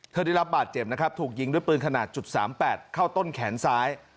ได้รับบาดเจ็บนะครับถูกยิงด้วยปืนขนาด๓๘เข้าต้นแขนซ้าย